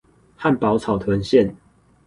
漢寶草屯線